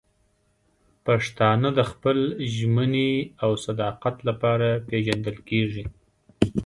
پښتانه د خپل ژمنې او صداقت لپاره پېژندل کېږي.